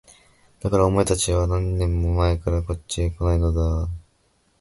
だからお前の友だちは何年も前からこっちへこないのだ。お前自身よりあの男のほうがなんでも百倍もよく知っているんだ。